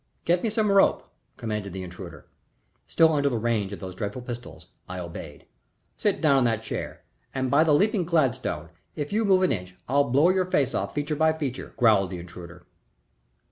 "Get me some rope," commanded the intruder. Still under the range of those dreadful pistols, I obeyed. "Sit down in that chair, and, by the leaping Gladstone, if you move an inch I'll blow your face off feature by feature," growled the intruder.